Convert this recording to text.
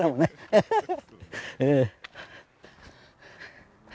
アハハハ。